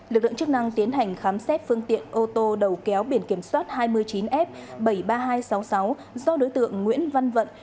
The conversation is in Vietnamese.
lực lượng chức năng tiến hành khám xét phương tiện ô tô đầu kéo biển kiểm soát hai mươi chín f bảy mươi ba nghìn hai trăm sáu mươi sáu do đối tượng nguyễn văn vận